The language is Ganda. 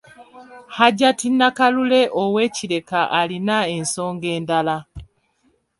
Hajat Nakalule ow’e Kireka alina ensonga endala.